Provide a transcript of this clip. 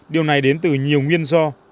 điều này đến từ nhiều nguyên do